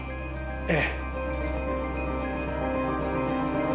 ええ。